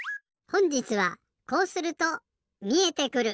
ほんじつは「こうするとみえてくる」。